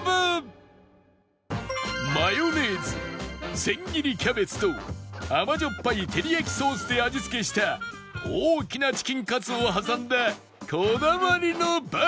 マヨネーズ千切りキャベツと甘じょっぱいてりやきソースで味付けした大きなチキンカツを挟んだこだわりのバーガー